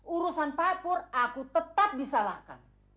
urusan papua aku tetap disalahkan